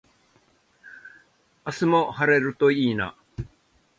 明日も晴れるといいな。